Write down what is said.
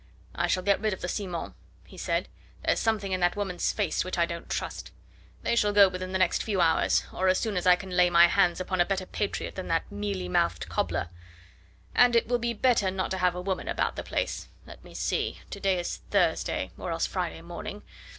"I shall get rid of the Simons," he said; "there's something in that woman's face which I don't trust. They shall go within the next few hours, or as soon as I can lay my hands upon a better patriot than that mealy mouthed cobbler. And it will be better not to have a woman about the place. Let me see to day is Thursday, or else Friday morning.